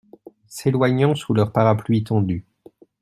S'éloignant sous leurs parapluies tendus.